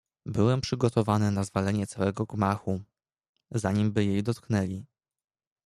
"Byłem przygotowany na zwalenie całego gmachu, zanimby jej dotknęli."